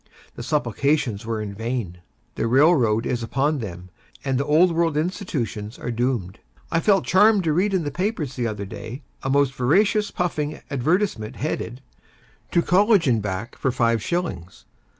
The supplications were in vain; the railroad is in upon them, and the old world institutions are doomed. I felt charmed to read in the papers the other day a most veracious puffing advertisement headed, 'To College and back for Five Shillings.'